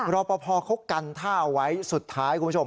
รอปภเขากันท่าเอาไว้สุดท้ายคุณผู้ชม